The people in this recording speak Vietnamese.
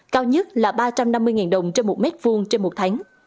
cao nhất là ba trăm năm mươi đồng trên một m hai trên một tháng